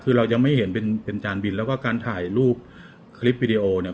คือเรายังไม่เห็นเป็นเป็นจานบินแล้วก็การถ่ายรูปคลิปวิดีโอเนี่ย